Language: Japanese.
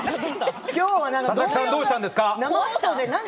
佐々木さんどうしたんですか？